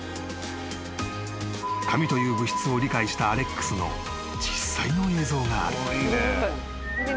［紙という物質を理解したアレックスの実際の映像がある］